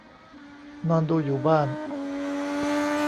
นอนดูอยู่บ้าน